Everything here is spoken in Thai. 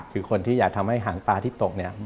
คือคนที่อยากทำให้หางปลาที่ตกเนี่ย